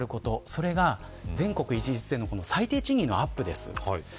それが全国一律での最低賃金のアップです。